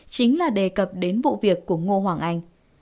chính là đề cập đến vụ việc của ngô hoàng anh